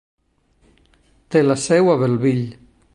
Té la seu a Bellville.